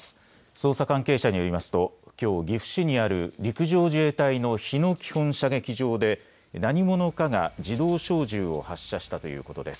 捜査関係者によりますときょう岐阜市にある陸上自衛隊の日野基本射撃場で何者かが自動小銃を発射したということです。